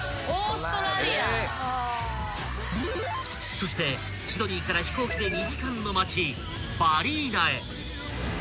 ［そしてシドニーから飛行機で２時間の町バリーナへ］